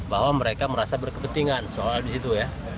bahwa mereka merasa berkepentingan soal di situ ya